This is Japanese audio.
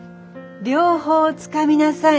両方つかみなさい。